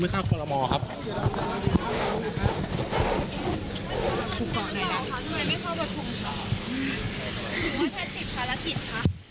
ได้คนนี้ก่อนนายยกมาครับนี่ลาประชุมให้เข้าคณะรัฐมนตรีครับ